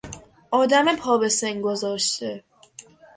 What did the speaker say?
آدم پا به سن گذاشته